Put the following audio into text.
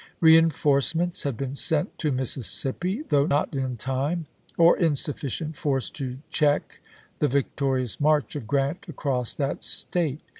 Reenforcements had been sent to Mis sissippi, though not in time or in sufficient force to check the victorious march of Grant across that State.